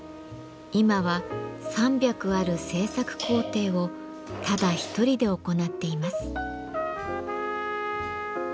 今は３００ある製作工程をただ一人で行っています。